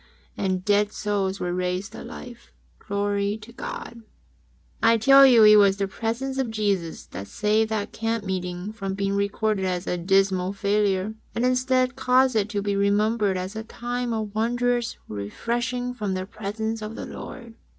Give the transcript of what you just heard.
And dead souls were raised to life ! Glory to God ! I tell you it was the presence of Jesus that saved that camp meeting from being recorded as a dismal failure, and instead caused it to be remembered as a time of wondrous "refreshing from the presence of the Lord.